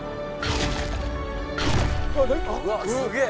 うわっすげえ。